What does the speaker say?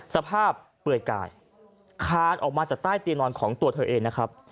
เปลือยกายคานออกมาจากใต้เตียงนอนของตัวเธอเองนะครับ